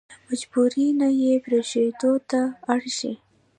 له مجبوري نه يې پرېښودو ته اړ شي.